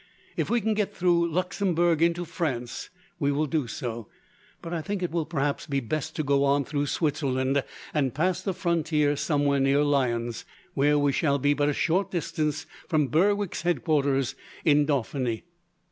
If we can get through Luxembourg into France we will do so, but I think it will perhaps be best to go on through Switzerland, and pass the frontier somewhere near Lyons, where we shall be but a short distance from Berwick's headquarters in Dauphiny."